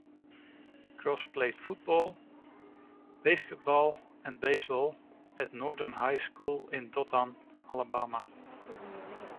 Gross played football, basketball, and baseball at Northview High School in Dothan, Alabama.